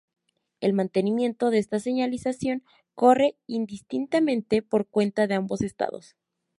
El mantenimiento de esta señalización corre indistintamente por cuenta de ambos estados.